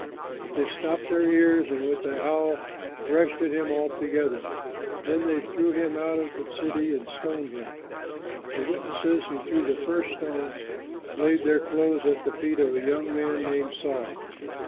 But they stopped their ears and with a howl rushed at him all together. Then they threw him out of the city and stoned him. The witnesses who threw the first stones, laid their clothes at the feet of a young man named Saul.